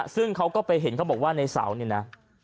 ซึ่งเขาก็ไปเห็นเขาบอกว่าในเสาเนี่ยนะ